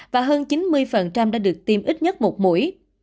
và hơn chín mươi đã được tiêm ít nhất một mũi